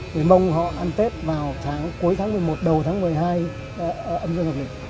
người mông họ ăn tết vào cuối tháng một mươi một đầu tháng một mươi hai ở âm dương hợp lịch